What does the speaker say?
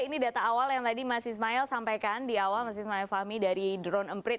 ini data awal yang tadi mas ismail sampaikan di awal mas ismail fahmi dari drone emprit